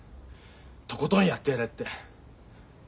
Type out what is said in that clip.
とことんやってやれって。